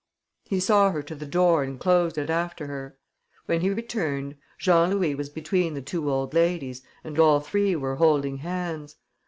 He saw her to the door and closed it after her. When he returned, Jean Louis was between the two old ladies and all three were holding hands.